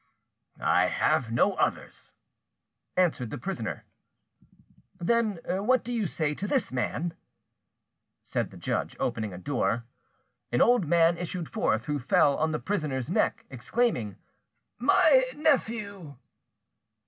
"I have no others," answered the prisoner. "Then what do you say to this man?" said the judge, opening a door. An old man issued forth, who fell on the prisoner's neck, exclaiming, "My nephew!"